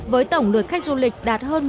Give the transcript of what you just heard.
với tổng lượt khách du lịch đạt hơn